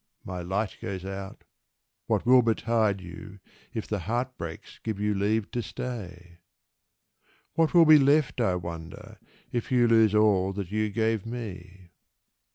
my light goes out, what will betide You, if the heart breaks give you leave to stay? What will be left, I wonder, if you lose All that you gave me?